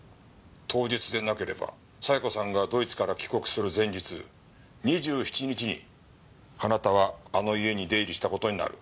当日でなければ冴子さんがドイツから帰国する前日２７日にあなたはあの家に出入りした事になる。